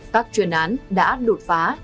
các chuyên án đã đột phá